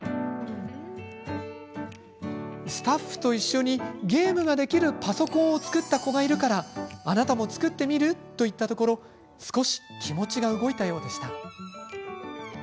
スタッフと一緒にゲームができるパソコンを作った子がいるからあなたも作ってみる？と言ったところ少し気持ちが動いたようでした。